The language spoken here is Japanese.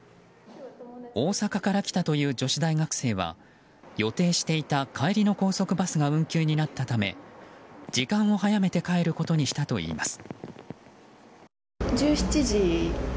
大阪から来たという女子大学生は予定していた帰りの高速バスが運休になったため時間を早めて帰ることにしたといいます。